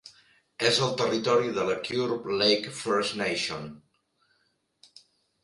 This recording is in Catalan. És el territori de la Curve Lake First Nation.